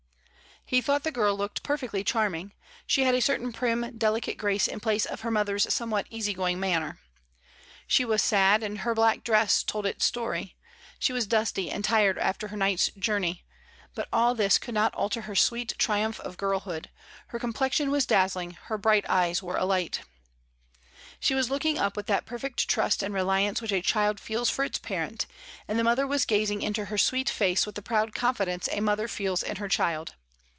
He thought the girl looked perfectly charming; she had a certain prim delicate grace in place of her mother's somewhat easy going manner. She was sad, and her black dress told its story, she was dusty and tired after her night's journey, but all this could not alter her sweet triumph of girlhood, her complexion was dazzling, her bright eyes were alight. "TELL ME WHY SUSANNA'S FAIR." 69 She was looking up with that perfect trust and reliance which a child feels for its parent, and the mother was gazing into her sweet face with the proud confidence a mother feels in her child.